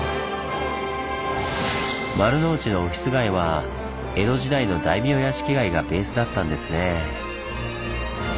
丸の内のオフィス街は江戸時代の大名屋敷街がベースだったんですねぇ。